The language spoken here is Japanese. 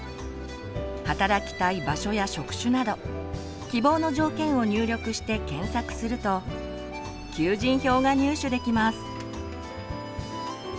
働きたい場所や職種など希望の条件を入力して検索すると求人票が入手できます。